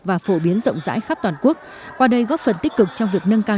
và phổ biến rộng rãi khắp toàn quốc qua đây góp phần tích cực trong việc nâng cao